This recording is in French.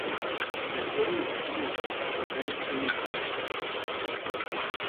La série est diffusé en France sur Planète No Limit.